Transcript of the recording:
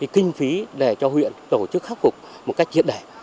kinh phí để cho huyện tổ chức khắc phục một cách triệt đẻ